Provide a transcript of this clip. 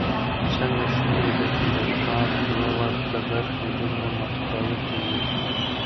څنګه شونې ده چې د ښار دوه ورته برخې دومره متفاوتې وي؟